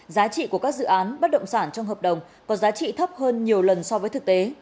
giá trị của các dự án bất động sản trong hợp đồng có giá trị thấp hơn nhiều lần so với thực tế